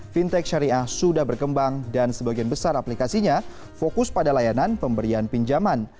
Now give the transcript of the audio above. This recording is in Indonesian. fintech syariah sudah berkembang dan sebagian besar aplikasinya fokus pada layanan pemberian pinjaman